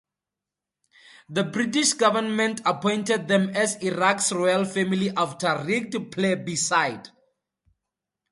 The British Government appointed them as Iraq's royal family after a rigged plebiscite.